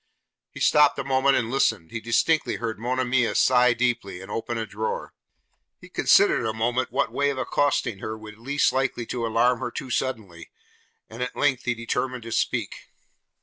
He stopped a moment and listened; he distinctly heard Monimia sigh deeply, and open a drawer. He considered a moment what way of accosting her would least likely to alarm her too suddenly, and at length he determined to speak.